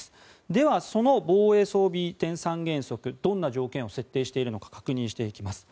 では、その防衛装備移転三原則どんな条件を設定しているのか確認していきます。